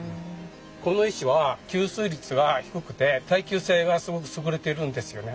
この石は吸水率が低くて耐久性がすごく優れてるんですよね。